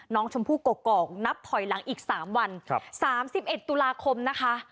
น้องชมพู่กอกอกนับถอยลงอีกสามวันครับสามสิบเอ็ดตุลาคมนะคะ